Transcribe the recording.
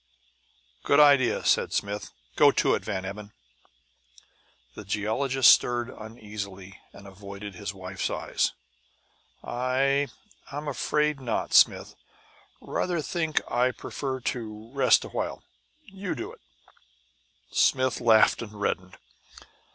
"Good idea," said Smith. "Go to it, Van Emmon." The geologist stirred uneasily, and avoided his wife's eyes. "I I'm afraid not, Smith. Rather think I'd prefer to rest a while. You do it!" Smith laughed and reddened.